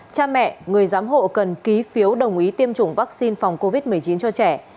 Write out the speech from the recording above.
cha mẹ người giám hộ cần ký phiếu đồng ý tiêm chủng vaccine phòng covid một mươi chín cho trẻ